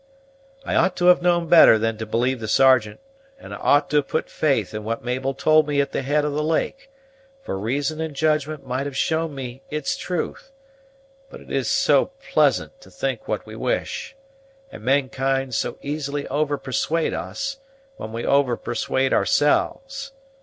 I ought to have known better than to believe the Sergeant; and I ought to have put faith in what Mabel told me at the head of the lake, for reason and judgment might have shown me its truth; but it is so pleasant to think what we wish, and mankind so easily over persuade us, when we over persuade ourselves.